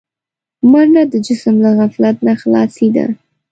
منډه د جسم له غفلت نه خلاصي ده